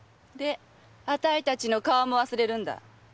であたいたちの顔も忘れるんだ。